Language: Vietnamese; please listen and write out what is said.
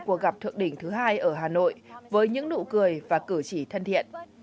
cuộc gặp thượng đỉnh thứ hai ở hà nội với những nụ cười và cử chỉ thân thiện